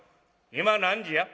「今何時や？」。